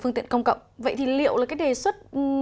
phương tiện công cộng vậy thì liệu là cái đề xuất